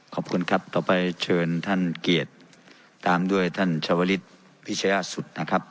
ขอบคุณครับต่อไปเชิญท่านเกียรติตามด้วยท่านชาวลิศพิชยาสุดนะครับ